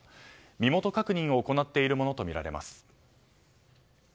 身元確認を行っているものとみられます。